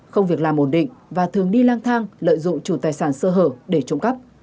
không việc làm ổn định và thường đi lang thang lợi dụng chủ tài sản sơ hở để trộm cắp